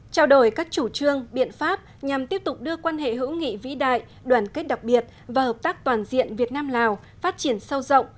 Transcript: trao đổi các chủ trương biện pháp nhằm tiếp tục đưa quan hệ hữu nghị vĩ đại đoàn kết đặc biệt và hợp tác toàn diện việt nam lào phát triển sâu rộng